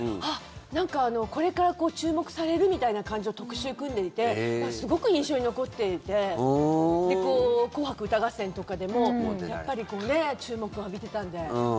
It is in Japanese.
なんかこれから注目されるみたいな感じの特集組んでいてすごく印象に残っていてで、「紅白歌合戦」とかでもやっぱり注目を浴びてたんで。